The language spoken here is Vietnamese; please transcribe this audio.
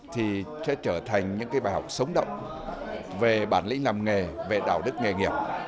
thì sẽ trở thành những bài học sống động về bản lĩnh làm nghề về đạo đức nghề nghiệp